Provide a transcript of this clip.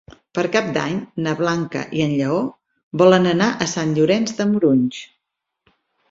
Per Cap d'Any na Blanca i en Lleó volen anar a Sant Llorenç de Morunys.